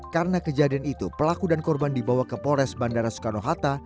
karena kejadian itu pelaku dan korban dibawa ke polres bandara soekarno hatta